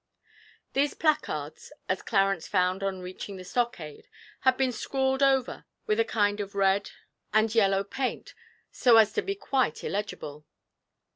These placards, as Clarence found on reaching the stockade, had been scrawled over with a kind of red and yellow paint so as to be quite illegible.